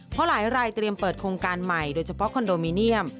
เพราะหลายรายเตรียมเปิดโครงการใหม่โดยเฉพาะคอนโดมิเนียม